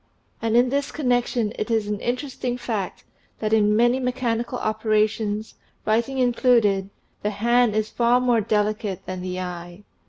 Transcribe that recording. And in this connection it is an interesting fact that in many me chanical operations, writing included, the hand is far more delicate than the eye.